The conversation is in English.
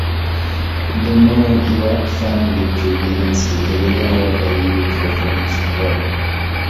The known Evatt Family Tree begins with the William Walter Euote referenced above.